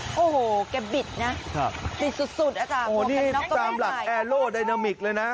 โอ้โหแกบิดนะบิดสุดอาจารย์โอ้โหนี่ตามหลักแอโร่ไดนามิกเลยนะ